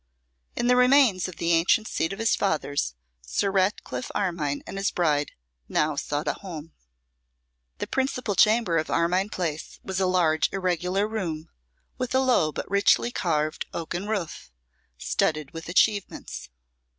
In the remains of the ancient seat of his fathers, Sir Ratcliffe Armine and his bride now sought a home. The principal chamber of Armine Place was a large irregular room, with a low but richly carved oaken roof, studded with achievements.